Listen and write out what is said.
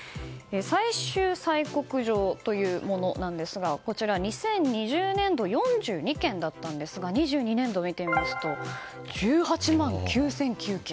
最終催告状というものですがこちら、２０２０年度４２件だったんですが２２年度を見てみますと１８万９００９件。